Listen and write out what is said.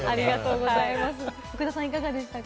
福田さん、いかがでしたか？